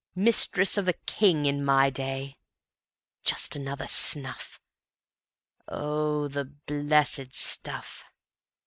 Mistress of a king In my day. Just another snuff ... Oh, the blessed stuff!